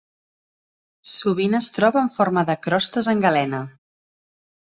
Sovint es troba en forma de crostes en galena.